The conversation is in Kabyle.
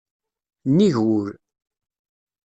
Nnig wul.